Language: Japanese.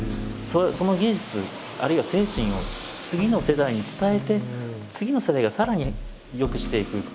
その技術あるいは精神を次の世代に伝えて次の世代がさらに良くしていく。